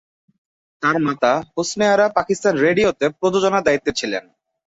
তার মাতা হোসনে আরা পাকিস্তান রেডিওতে প্রযোজনার দায়িত্বে ছিলেন।